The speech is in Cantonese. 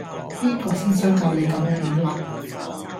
邊個先生教你咁樣亂畫